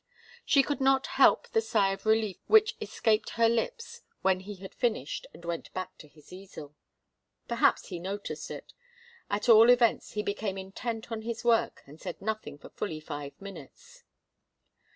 She could not help the sigh of relief which escaped her lips when he had finished and went back to his easel. Perhaps he noticed it. At all events he became intent on his work and said nothing for fully five minutes.